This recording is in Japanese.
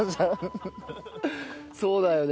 そうだよね。